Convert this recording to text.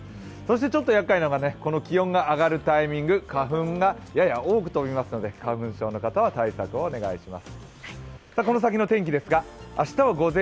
ちょっとやっかいなのが気温が上がるタイミング、花粉がやや多く飛びますので、花粉症の方は対策をお願いします。